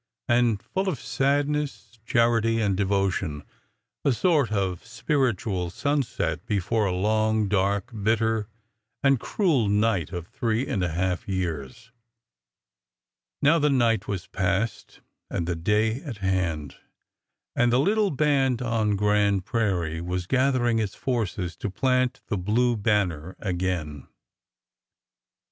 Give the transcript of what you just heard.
11 and full of sadness, charity, and devotion — a sort of spiritual sunset before a long, dark, bitter, and cruel night of three and a half years/' Now the night was past and the day at hand, and the little band on Grand Prairie was gathering its forces to plant the blue banner again.